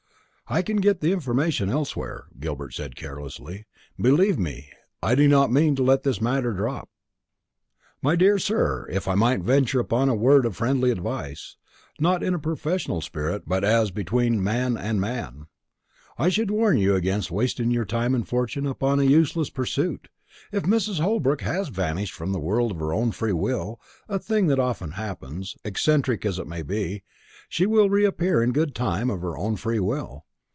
"I can get the information elsewhere," Gilbert said carelessly. "Believe me, I do not mean to let this matter drop." "My dear sir, if I might venture upon a word of friendly advice not in a professional spirit, but as between man and man I should warn you against wasting your time and fortune upon a useless pursuit. If Mrs. Holbrook has vanished from the world of her own free will a thing that often happens, eccentric as it may be she will reappear in good time of her own free will.